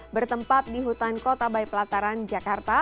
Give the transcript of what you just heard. bertempat di hutan kota baipelataran jakarta